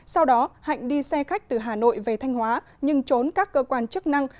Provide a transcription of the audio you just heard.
sau đó hạnh đi xe khách từ hà nội về thanh hóa nhưng trốn các cơ quan chức năng